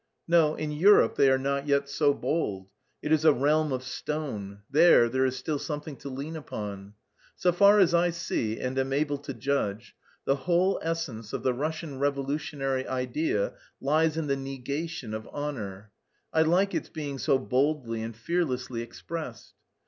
No, in Europe they are not yet so bold; it is a realm of stone, there there is still something to lean upon. So far as I see and am able to judge, the whole essence of the Russian revolutionary idea lies in the negation of honour. I like its being so boldly and fearlessly expressed.